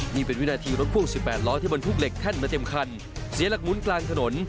นี่เป็นวินาทีรถพ่วง๑๘ล้อที่บรรทุกเหล็กแท่นมาเต็มคันเสียหลักวุ้นกลางถนน